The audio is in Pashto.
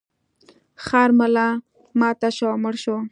خر ملا ماته شوه او مړ شو.